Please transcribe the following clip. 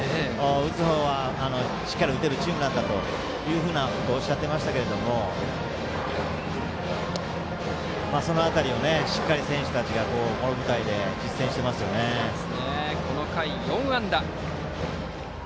打つ方はしっかり打てるチームなんだということをおっしゃっていましたがその辺りをしっかり選手たちが大舞台でこの回、４安打です。